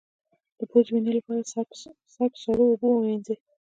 د پوزې وینې لپاره سر په سړو اوبو ووینځئ